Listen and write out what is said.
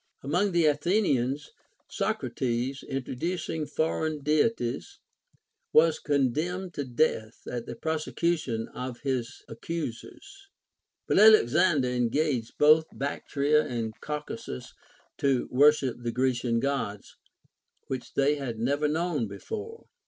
Among the Athenians, Socrates, intro• 480 OE THE FORTUNE OR VIRTUE ducing foreign Deities, was condemned to death at the prosecution of his accusers. But Alexander engaged both Bactria and Caucasus to Avorship the Grecian Gods, which they had never knoAvn before.